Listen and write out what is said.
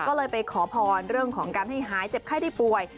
ก็เลยไปขอพรเรื่องของการให้หายเจ็บไข้ได้ป่วย